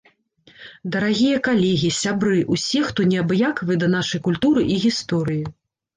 Дарагія калегі, сябры, усе, хто не абыякавы да нашай культуры і гісторыі!